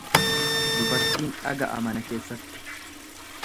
Dubartiin dhaga'a mana keessatti.